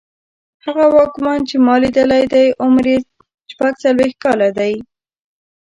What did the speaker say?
هغه واکمن چې ما لیدلی دی عمر یې شپږڅلوېښت کاله دی.